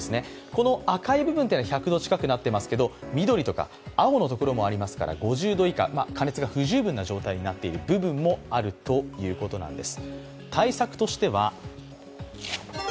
この赤い部分は１００度近くになっていますけど緑とか青のところもありますから５０度以下、加熱が不十分なところもあるということです。